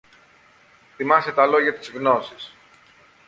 Θυμάσαι τα λόγια της Γνώσης